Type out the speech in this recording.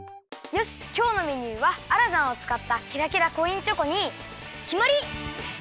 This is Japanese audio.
よしきょうのメニューはアラザンをつかったキラキラコインチョコにきまり！